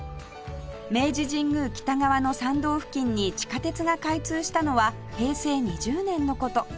明治神宮北側の参道付近に地下鉄が開通したのは平成２０年の事